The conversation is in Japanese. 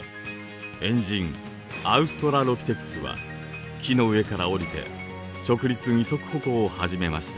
猿人アウストラロピテクスは木の上から降りて「直立二足歩行」を始めました。